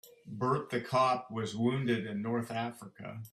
Bert the cop was wounded in North Africa.